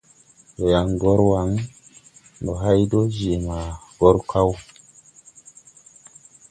Ndɔ yaŋ gɔr Waŋ hay dɔɔ je maa gɔr kaw.